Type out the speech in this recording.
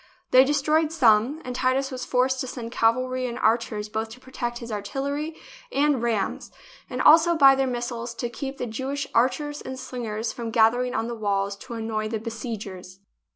They destroyed some, and Titus was forced to send cav alry and archers both to protect his artillery and rams, and also by their missiles to keep the Jewish archers and slingers from gathering on the walls to annoy the besiegers.